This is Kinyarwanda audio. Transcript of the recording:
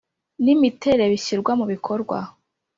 N imiterere bishyirwa mu bikorwa